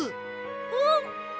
うん！